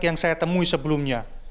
yang saya temui sebelumnya